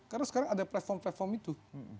karena sekarang ada platform platform itu